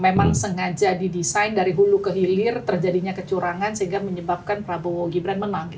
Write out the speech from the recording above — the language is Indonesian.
memang sengaja didesain dari hulu ke hilir terjadinya kecurangan sehingga menyebabkan prabowo gibran menang